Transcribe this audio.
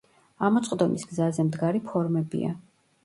ამოწყდომის გზაზე მდგარი ფორმებია.